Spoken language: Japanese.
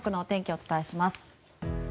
お伝えします。